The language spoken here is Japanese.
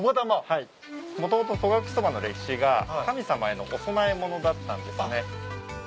もともと戸隠そばの歴史が神様へのお供え物だったんですね。